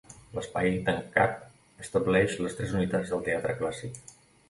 L'espai, tancat, estableix les tres unitats del teatre clàssic.